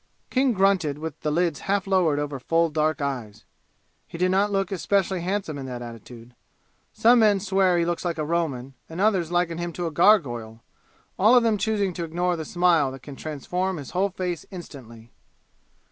King grunted with the lids half lowered over full dark eyes. He did not look especially handsome in that attitude. Some men swear he looks like a Roman, and others liken him to a gargoyle, all of them choosing to ignore the smile that can transform his whole face instantly.